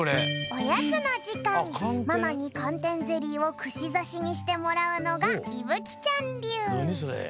おやつのじかんママに寒天ゼリーをくしざしにしてもらうのがいぶきちゃんりゅう。